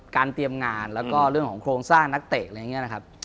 เตรียมงานแล้วก็เรื่องของโครงสร้างนักเตะอะไรอย่างนี้นะครับ